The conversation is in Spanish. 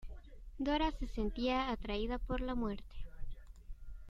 Dora se sentía atraída por la muerte.